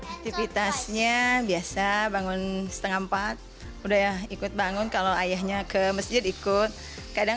aktivitasnya biasa bangun setengah empat udah ikut bangun kalau ayahnya ke masjid ikut kadang